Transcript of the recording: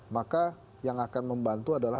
maka yang akan membantu adalah